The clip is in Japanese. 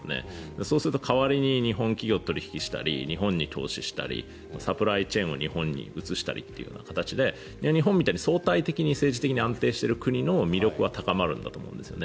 そうすると代わりに日本企業と取引したり日本に投資したりサプライチェーンを日本に移したりというような形で日本みたいに相対的に政治的に安定している国の魅力は高まるんだと思うんですよね。